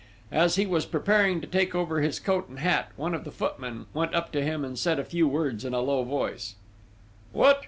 As he was preparing to take over his coat and hat, one of the footmen went up to him and said a few words in a low voice: "What!...